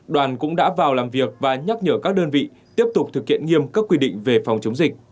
đoàn cũng đã vào làm việc và nhắc nhở các đơn vị tiếp tục thực hiện nghiêm các quy định về phòng chống dịch